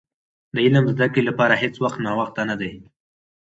د علم زدي کړي لپاره هيڅ وخت ناوخته نه دي .